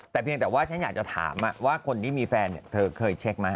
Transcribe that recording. แต่เพียงแต่ว่าฉันอยากจะถามว่าคนที่มีแฟนเธอเคยเช็คไหม